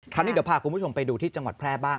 คราวนี้เดี๋ยวพาคุณผู้ชมไปดูที่จังหวัดแพร่บ้าง